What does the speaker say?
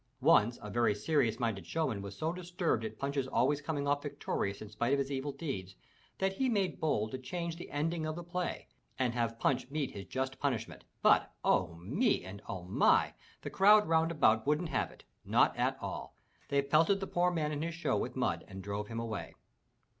Once a very serious minded show man was so disturbed at Punch's always coming off victorious in spite of his evil deeds, that he made bold to change the ending of the play, and have Punch meet his just punishment, but O me! and O my! the 440 THROUGH FAIRY HALLS crowd round about wouldn't have it— not at all. They pelted the poor man and his show with mud and drove him away.